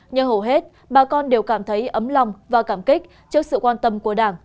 nhờ hầu hết bà con đều cảm thấy ấm lòng và cảm kích trước sự quan tâm của đảng